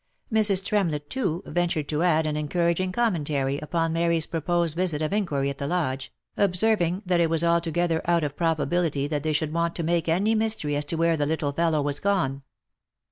Mrs. Tremlett, too, ventured to add an encouraging commentary upon Mary's promised visit of inquiry at the Lodge, ob serving, that it was altogether out of probability that they should want to make any mystery as to where the little fellow was gone.